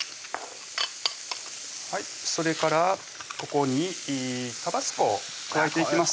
それからここにタバスコを加えていきます